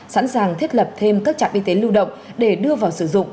sẵn sàng thiết lập thêm các trạm y tế lưu động để đưa vào sử dụng